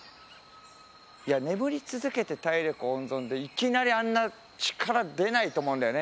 いや眠り続けて体力温存でいきなりあんな力出ないと思うんだよね